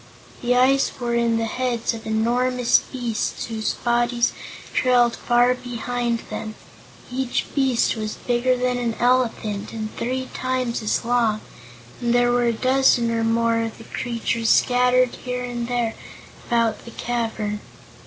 The eyes were in the heads of enormous beasts whose bodies trailed far behind them. Each beast was bigger than an elephant, and three times as long, and there were a dozen or more of the creatures scattered here and there about the cavern.